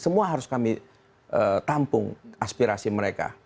semua harus kami tampung aspirasi mereka